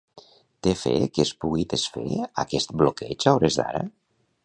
Té fe que es pugui desfer aquest bloqueig a hores d'ara?